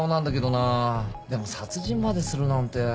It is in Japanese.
でも殺人までするなんて。